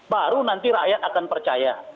baru nanti rakyat akan percaya